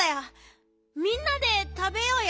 みんなでたべようよ。